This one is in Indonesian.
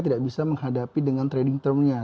tidak bisa menghadapi dengan trading term nya